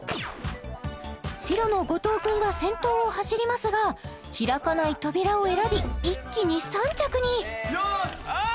白の後藤君が先頭を走りますが開かない扉を選び一気に３着によーし！